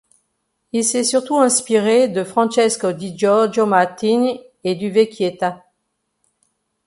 Il s'est surtout inspiré de Francesco di Giorgio Martini et du Vecchietta.